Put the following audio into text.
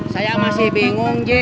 saya masih bingung ji